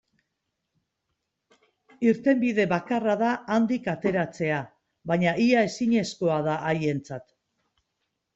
Irtenbide bakarra da handik ateratzea, baina ia ezinezkoa da haientzat.